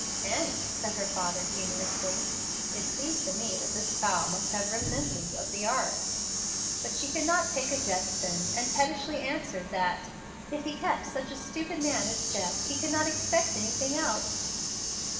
"Annie," said her father, humorously, "it seems to me that this fowl must have reminiscences of the ark." But she could not take a jest then, and pettishly answered that "if he kept such a stupid man as Jeff, he could not expect anything else."